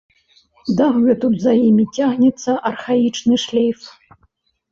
Дагэтуль за імі цягнецца архаічны шлейф.